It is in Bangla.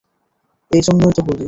এইজন্যই তো বলি!